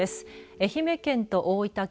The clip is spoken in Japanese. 愛媛県と大分県。